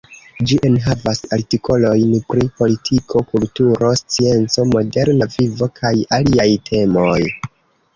Ĝi enhavas artikolojn pri politiko, kulturo, scienco, moderna vivo kaj aliaj temoj.